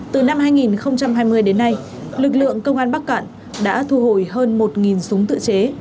từ năm hai nghìn hai mươi đến nay lực lượng công an bắc cạn đã thu hồi hơn một súng tự chế